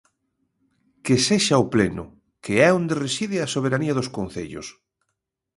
Que sexa o pleno, que é onde reside a soberanía dos concellos.